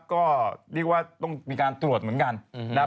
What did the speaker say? ก็เรียกว่าต้องมีการตรวจเหมือนกันนะครับ